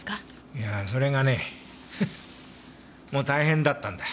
いやあそれがねもう大変だったんだ。